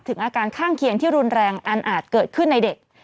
อาการข้างเคียงที่รุนแรงอันอาจเกิดขึ้นในเด็ก